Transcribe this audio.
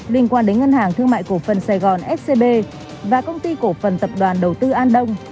liên quan đến ngân hàng thương mại cổ phần sài gòn scb và công ty cổ phần tập đoàn đầu tư an đông